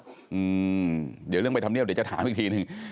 เดี๋ยวเรื่องไปทำเนียบเดี๋ยวจะถามอีกทีหนึ่ง